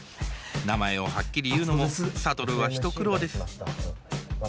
名前をはっきり言うのも諭は一苦労です。